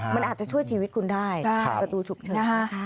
มันอาจจะช่วยชีวิตคุณได้ประตูฉุกเฉิน